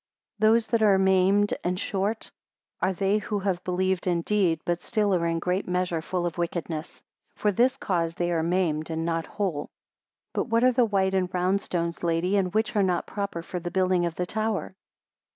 66 Those that are maimed and short, are they who have believed indeed, but still are in great measure full of wickedness; for this cause they are maimed and not whole. 67 But what are the white and round stones, lady, and which are not proper for the building of the tower?